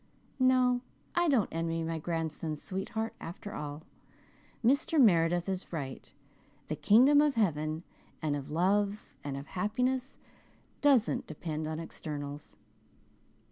No, I don't envy my grandson's sweetheart, after all. Mr. Meredith is right. 'The kingdom of Heaven' and of love and of happiness doesn't depend on externals."